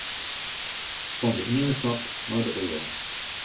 Fan de iene top nei de oare.